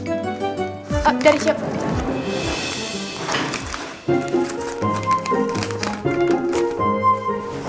ah dari siapa